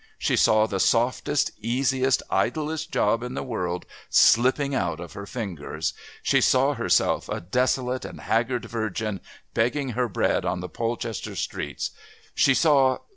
She saw the softest, easiest, idlest job in the world slipping out of her fingers; she saw herself, a desolate and haggard virgin, begging her bread on the Polchester streets. She saw...